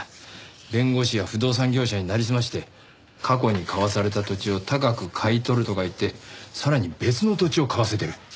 弁護士や不動産業者になりすまして過去に買わされた土地を高く買い取るとか言ってさらに別の土地を買わせている。